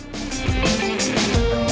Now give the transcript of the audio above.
dian permatasari bandung